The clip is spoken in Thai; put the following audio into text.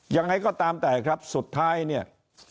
ยังไงก็ตามแต่ครับสุดท้ายเนี่ย